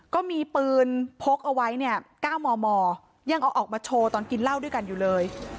ก็มีปืนพกเอาไว้เนี่ย๙มมยังเอาออกมาโชว์ตอนกินเหล้าด้วยกันอยู่เลย